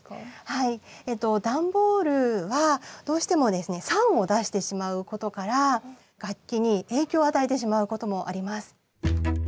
はいえっと段ボールはどうしてもですね酸を出してしまうことから楽器に影響を与えてしまうこともあります。